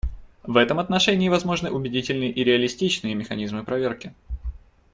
В этом отношении возможны убедительные и реалистичные механизмы проверки.